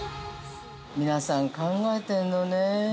◆皆さん考えてるのね。